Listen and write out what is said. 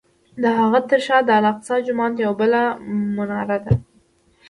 د هغه تر شا د الاقصی جومات یوه بله مناره ده.